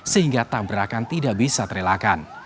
sehingga tabrakan tidak bisa terelakkan